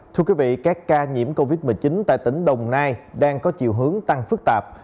thưa quý vị các ca nhiễm covid một mươi chín tại tỉnh đồng nai đang có chiều hướng tăng phức tạp